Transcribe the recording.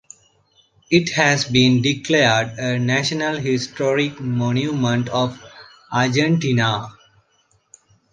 It has been declared a National Historic Monument of Argentina.